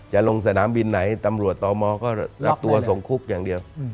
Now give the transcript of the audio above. จะลงสนามบินไหนตำรวจต่อมอก็รับตัวส่งคุกอย่างเดียว